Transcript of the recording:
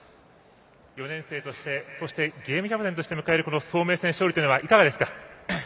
４年生としてそして、ゲームキャプテンとして迎えるこの早明戦勝利というのはいかがですか？